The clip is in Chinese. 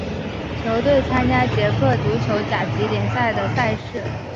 球队参加捷克足球甲级联赛的赛事。